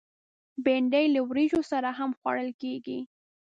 بېنډۍ له وریژو سره هم خوړل کېږي